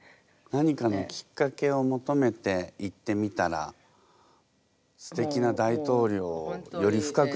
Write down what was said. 何かのきっかけを求めて行ってみたらステキな大統領をより深く知ることができて。